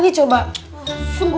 kau ngapain disini